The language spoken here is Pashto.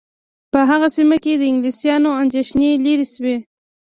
په هغه سیمه کې د انګلیسیانو اندېښنې لیرې شوې.